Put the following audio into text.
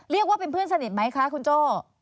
เรียกว่าเป็นเพื่อนสนิทไหมคะคุณโจ้